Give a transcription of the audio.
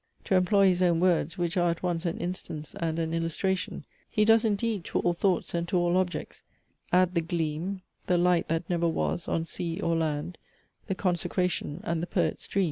To employ his own words, which are at once an instance and an illustration, he does indeed to all thoughts and to all objects " add the gleam, The light that never was, on sea or land, The consecration, and the Poet's dream."